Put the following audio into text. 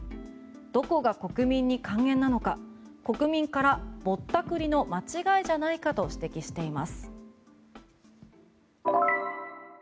どこが国民に還元なのか国民からぼったくりの間違いじゃないかと指摘しています。